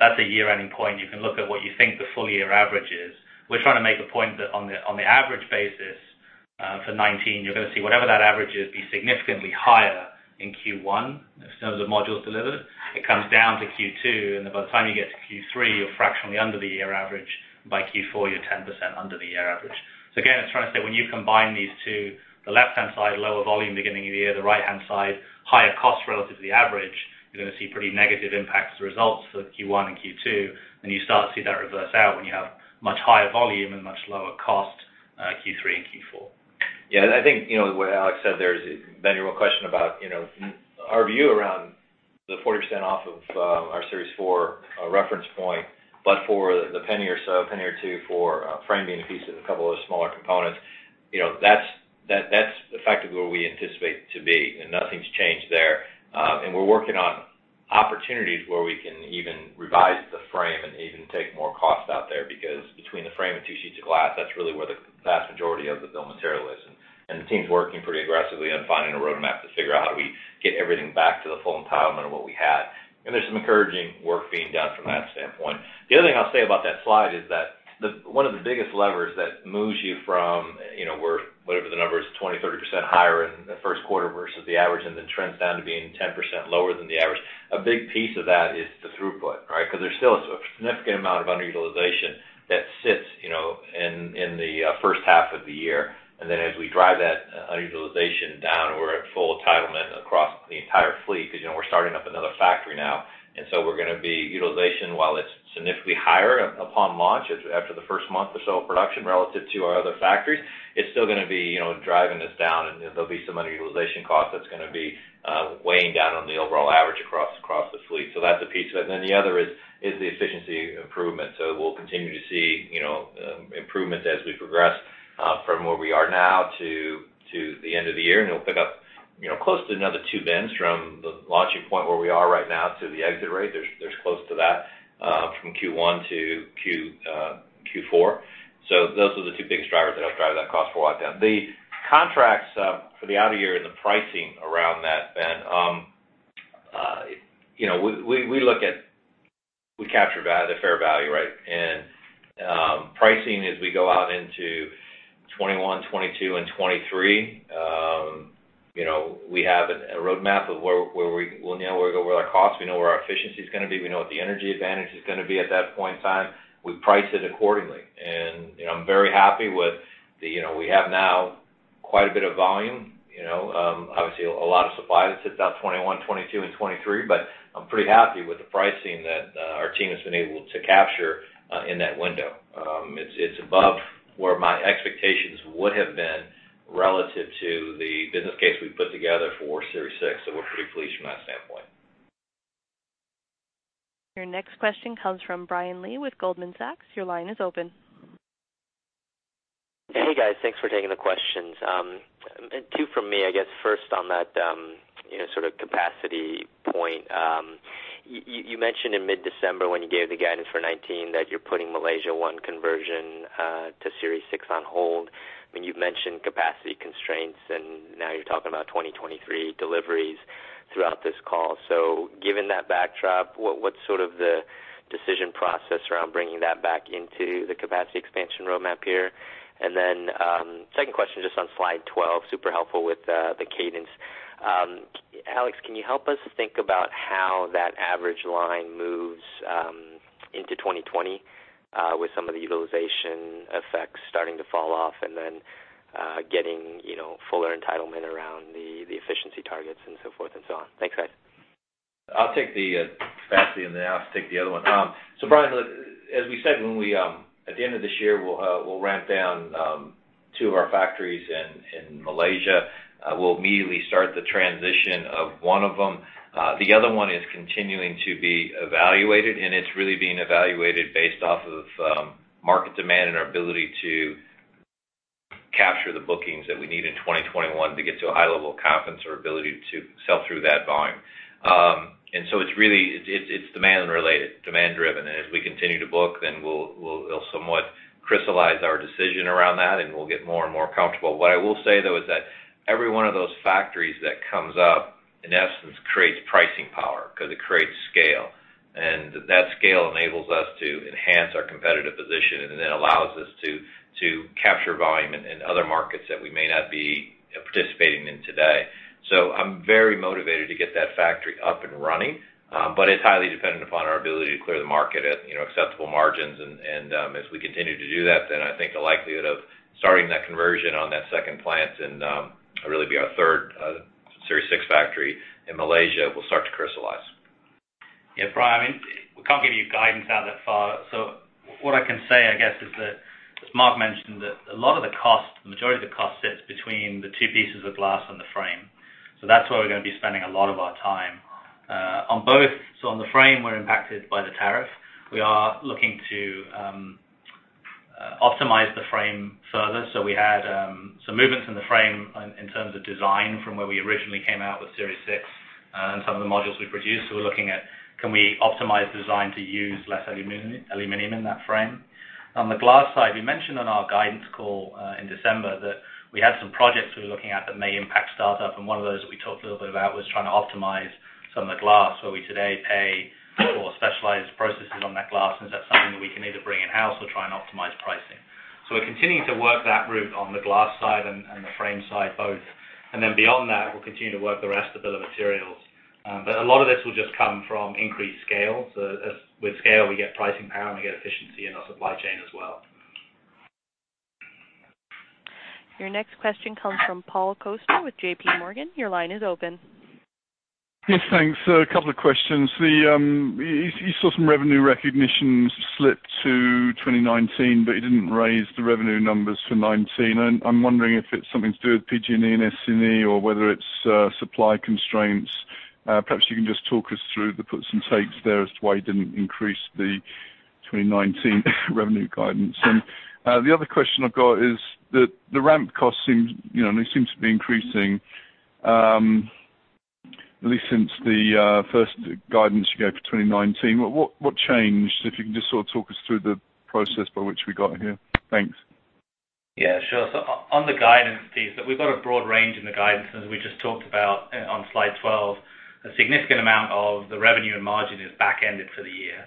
that's a year-ending point, you can look at what you think the full-year average is. We're trying to make a point that on the average basis for 2019, you're going to see whatever that average is be significantly higher in Q1 in terms of modules delivered. It comes down to Q2, and by the time you get to Q3, you're fractionally under the year average. By Q4, you're 10% under the year average. Again, it's trying to say when you combine these two, the left-hand side, lower volume beginning of the year, the right-hand side, higher cost relative to the average, you're going to see pretty negative impacts to results for Q1 and Q2. You start to see that reverse out when you have much higher volume and much lower cost Q3 and Q4. Yeah. I think what Alex said there is, Ben, your question about our view around the 40% off of our Series 4 reference point, but for the $0.01 or $0.02 for framing a piece of a couple of smaller components. That's effectively where we anticipate to be and nothing's changed there. We're working on opportunities where we can even revise the frame and even take more cost out there, because between the frame and two sheets of glass, that's really where the vast majority of the bill material is. The team's working pretty aggressively on finding a roadmap to figure out how we get everything back to the full entitlement of what we had. There's some encouraging work being done from that standpoint. The other thing I'll say about that slide is that one of the biggest levers that moves you from whatever the number is, 20%, 30% higher in the first quarter versus the average, then trends down to being 10% lower than the average. A big piece of that is the throughput, right? Because there's still a significant amount of underutilization that sits in the first half of the year. Then as we drive that underutilization down, we're at full entitlement across the entire fleet, because we're starting up another factory now. We're going to be utilization, while it's significantly higher upon launch after the first month or so of production relative to our other factories, it's still going to be driving this down, and there'll be some underutilization cost that's going to be weighing down on the overall average across the fleet. That's a piece. Then the other is the efficiency improvement. We'll continue to see improvements as we progress from where we are now to the end of the year. It'll pick up close to another two bends from the launching point where we are right now to the exit rate. There's close to that from Q1 to Q4. Those are the two biggest drivers that help drive that cost for Watt down. The contracts for the out of year and the pricing around that, Ben. We capture value, the fair value, right? Pricing as we go out into 2021, 2022 and 2023. We have a roadmap of where we know where our costs, we know where our efficiency is going to be, we know what the energy advantage is going to be at that point in time. We price it accordingly. We have now quite a bit of volume. Obviously, a lot of supply that sits out 2021, 2022, and 2023, I'm pretty happy with the pricing that our team has been able to capture in that window. It's above where my expectations would have been relative to the business case we put together for Series 6, we're pretty pleased from that standpoint. Your next question comes from Brian Lee with Goldman Sachs. Your line is open. Hey, guys. Thanks for taking the questions. Two from me, I guess first on that sort of capacity point. You mentioned in mid-December when you gave the guidance for 2019 that you're putting Malaysia 1 conversion to Series 6 on hold. I mean, you've mentioned capacity constraints, and now you're talking about 2023 deliveries throughout this call. Given that backdrop, what's sort of the decision process around bringing that back into the capacity expansion roadmap here? Then second question, just on slide 12, super helpful with the cadence. Alex, can you help us think about how that average line moves into 2020 with some of the utilization effects starting to fall off and then getting fuller entitlement around the efficiency targets and so forth and so on? Thanks, guys. I'll take the capacity and Alex can take the other one. Brian, look, as we said, at the end of this year, we'll ramp down two of our factories in Malaysia. We'll immediately start the transition of one of them. The other one is continuing to be evaluated, and it's really being evaluated based off of market demand and our ability to capture the bookings that we need in 2021 to get to a high level of confidence or ability to sell through that volume. It's demand related, demand driven. As we continue to book, we'll somewhat crystallize our decision around that, and we'll get more and more comfortable. What I will say, though, is that every one of those factories that comes up, in essence, creates pricing power because it creates scale. That scale enables us to enhance our competitive position and allows us to capture volume in other markets that we may not be participating in today. I'm very motivated to get that factory up and running, it's highly dependent upon our ability to clear the market at acceptable margins. As we continue to do that, I think the likelihood of starting that conversion on that second plant and really be our third Series 6 factory in Malaysia will start to crystallize. Yeah, Brian, we can't give you guidance out that far. What I can say, I guess, is that as Mark mentioned, that a lot of the cost, the majority of the cost sits between the two pieces of glass and the frame. That's where we're going to be spending a lot of our time. On both, on the frame, we're impacted by the tariff. We are looking to optimize the frame further. We had some movements in the frame in terms of design from where we originally came out with Series 6 and some of the modules we produced. We're looking at can we optimize design to use less aluminum in that frame. On the glass side, we mentioned on our guidance call in December that we had some projects we were looking at that may impact startup, one of those we talked a little bit about was trying to optimize some of the glass where we today pay for specialized processes on that glass, is that something that we can either bring in-house or try and optimize pricing. We're continuing to work that route on the glass side and the frame side both. Beyond that, we'll continue to work the rest of the bill of materials. A lot of this will just come from increased scale. With scale, we get pricing power, and we get efficiency in our supply chain as well. Your next question comes from Paul Coster with JPMorgan. Your line is open. Yes, thanks. A couple of questions. You saw some revenue recognitions slip to 2019, but you didn't raise the revenue numbers for 2019, I'm wondering if it's something to do with PG&E and SCE or whether it's supply constraints. Perhaps you can just talk us through the puts and takes there as to why you didn't increase the 2019 revenue guidance. The other question I've got is that the ramp cost seems to be increasing, at least since the first guidance you gave for 2019. What changed? If you can just sort of talk us through the process by which we got here. Thanks. Yeah, sure. On the guidance piece, look, we've got a broad range in the guidance, as we just talked about on slide 12. A significant amount of the revenue and margin is back-ended for the year.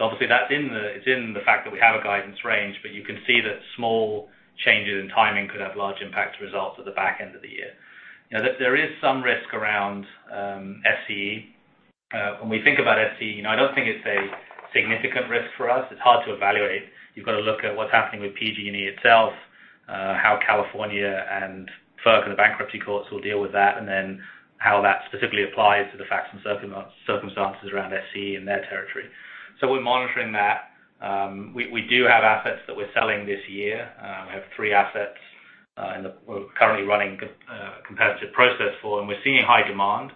Obviously that's in the fact that we have a guidance range, but you can see that small changes in timing could have large impact to results at the back end of the year. There is some risk around SCE. When we think about SCE, I don't think it's a significant risk for us. It's hard to evaluate. You've got to look at what's happening with PG&E itself, how California and FERC and the bankruptcy courts will deal with that, and then how that specifically applies to the facts and circumstances around SCE and their territory. We're monitoring that. We do have assets that we're selling this year. We have three assets we're currently running a competitive process for, and we're seeing high demand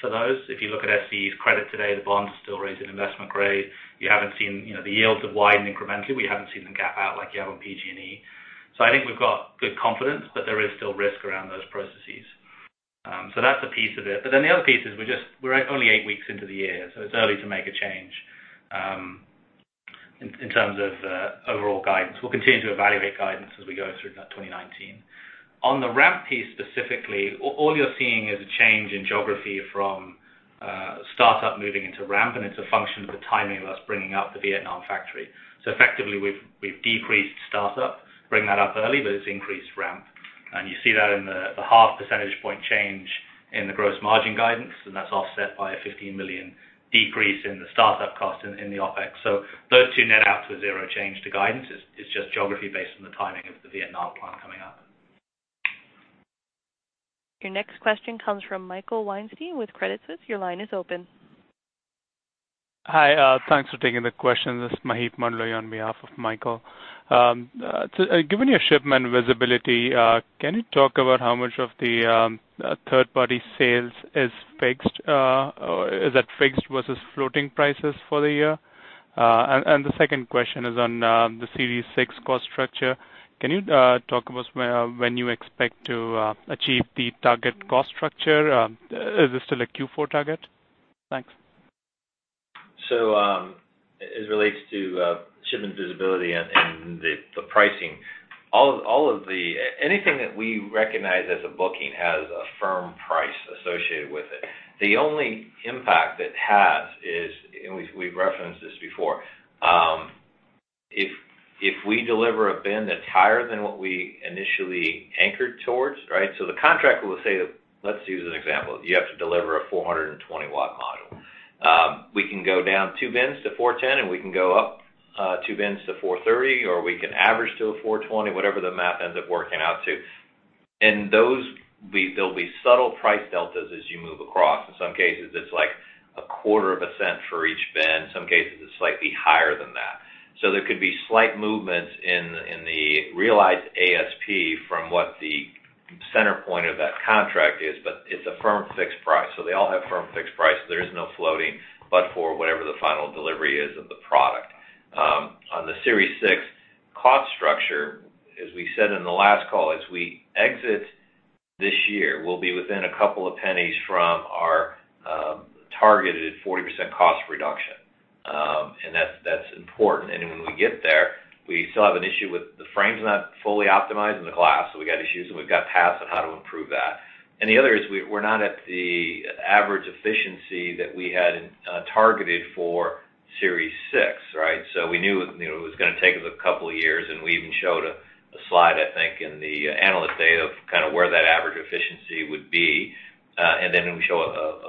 for those. If you look at SCE's credit today, the bonds still rate as investment grade. The yields have widened incrementally. We haven't seen them gap out like you have on PG&E. I think we've got good confidence, but there is still risk around those processes. That's a piece of it. The other piece is we're only eight weeks into the year, it's early to make a change in terms of overall guidance. We'll continue to evaluate guidance as we go through 2019. On the ramp piece specifically, all you're seeing is a change in geography from startup moving into ramp, and it's a function of the timing of us bringing up the Vietnam factory. Effectively, we've decreased startup, bring that up early, but it's increased ramp. You see that in the half percentage point change in the gross margin guidance, and that's offset by a $15 million decrease in the startup cost in the OpEx. Those two net out to a zero change to guidance. It's just geography based on the timing of the Vietnam plant coming up. Your next question comes from Michael Weinstein with Credit Suisse. Your line is open. Hi, thanks for taking the question. This is Maheep Mandloi on behalf of Michael. Given your shipment visibility, can you talk about how much of the third-party sales is fixed? Is that fixed versus floating prices for the year? The second question is on the Series 6 cost structure. Can you talk about when you expect to achieve the target cost structure? Is this still a Q4 target? Thanks. As it relates to shipment visibility and the pricing, anything that we recognize as a booking has a firm price associated with it. The only impact it has is, and we've referenced this before, if we deliver a bin that's higher than what we initially anchored towards, right? The contract will say, let's use an example. You have to deliver a 420 W module. We can go down two bins to 410, and we can go up two bins to 430, or we can average to a 420, whatever the math ends up working out to. Those, there'll be subtle price deltas as you move across. In some cases, it's like a quarter of a cent for each bin. In some cases, it's slightly higher than that. There could be slight movements in the realized ASP from what the center point of that contract is, but it's a firm fixed price. They all have firm fixed price. There is no floating but for whatever the final delivery is of the product. On the Series 6 cost structure, as we said in the last call, as we exit this year, we'll be within a couple of pennies from our targeted 40% cost reduction, and that's important. When we get there, we still have an issue with the frame's not fully optimized in the glass, so we've got issues, and we've got tasks on how to improve that. The other is we're not at the average efficiency that we had targeted for Series 6, right? We knew it was going to take us a couple of years, we even showed a slide, I think, in the analyst day of kind of where that average efficiency would be. Then we show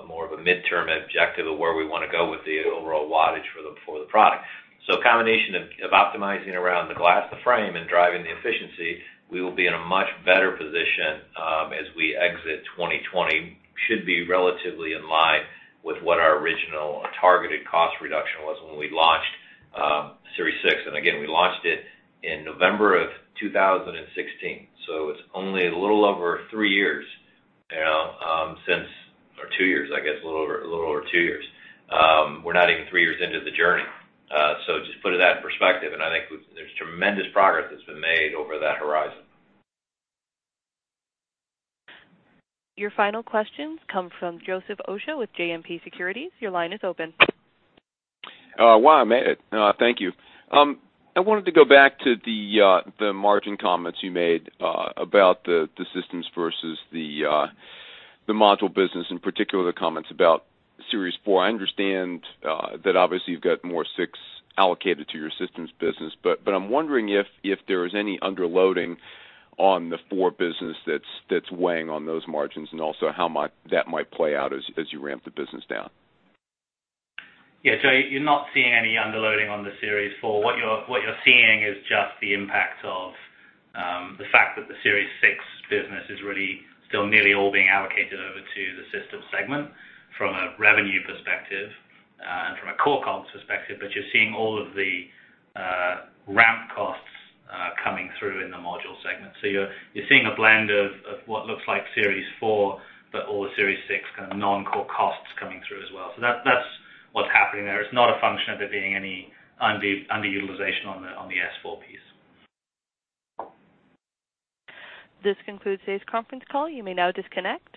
more of a midterm objective of where we want to go with the overall wattage for the product. A combination of optimizing around the glass, the frame, and driving the efficiency, we will be in a much better position as we exit 2020. Should be relatively in line with what our original targeted cost reduction was when we launched Series 6. Again, we launched it in November of 2016, it's only a little over three years, since or two years, I guess, a little over two years. We're not even three years into the journey. Just put that in perspective, and I think there's tremendous progress that's been made over that horizon. Your final question comes from Joseph Osha with JMP Securities. Your line is open. Wow, thank you. I wanted to go back to the margin comments you made about the systems versus the module business, in particular, the comments about Series 4. I understand that obviously you've got more 6 allocated to your systems business, but I'm wondering if there is any underloading on the Series 4 business that's weighing on those margins, and also how much that might play out as you ramp the business down. Yeah, Joe, you're not seeing any underloading on the Series 4. What you're seeing is just the impact of the fact that the Series 6 business is really still nearly all being allocated over to the systems segment from a revenue perspective and from a core cost perspective. You're seeing all of the ramp costs coming through in the module segment. You're seeing a blend of what looks like Series 4, but all the Series 6 kind of non-core costs coming through as well. That's what's happening there. It's not a function of there being any underutilization on the S4 piece. This concludes today's conference call. You may now disconnect.